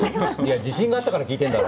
自信があったから聞いているんだろう？